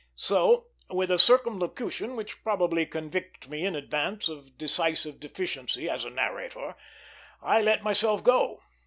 So, with a circumlocution which probably convicts me in advance of decisive deficiency as a narrator, I let myself go.